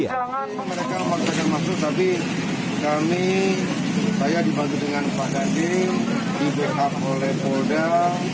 mereka memaksakan maksud tapi kami saya dibantu dengan pak gading dibebap oleh polder